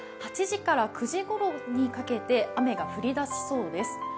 ８時から９時ごろにかけて雨が降り出しそうです。